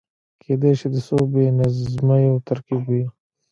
کېدای شي د څو بې نظمیو ترکيب وي.